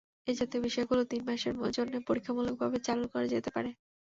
এ জাতীয় বিষয়গুলো তিন মাসের জন্যে পরীক্ষামূলকভাবে চালু করা যেতে পারে।